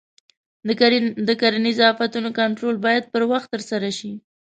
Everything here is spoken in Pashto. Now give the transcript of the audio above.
د کرنیزو آفتونو کنټرول باید پر وخت ترسره شي.